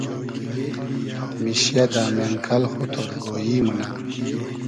میشیۂ دۂ مېنکئل خو تۉرگۉیی مونۂ